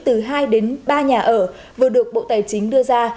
từ hai đến ba nhà ở vừa được bộ tài chính đưa ra